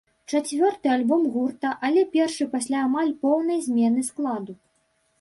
Чацвёрты альбом гурта, але першы пасля амаль поўнай змены складу.